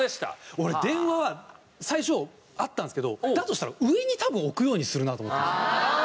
俺電話は最初あったんですけどだとしたら上に多分置くようにするなと思って。